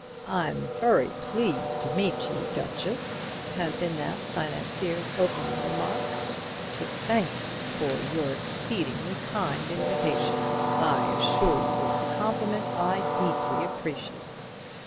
"I'm vurry pleased to meet you, Duchess," had been that financier's opening remark, "to thank you for your exceedingly kind invitation. I assure you it's a compliment I deeply appreciate."